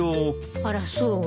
あらそう？